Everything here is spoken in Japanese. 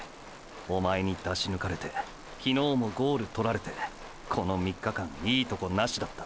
おまえにだしぬかれて昨日もゴール獲られてこの３日間いいとこなしだった。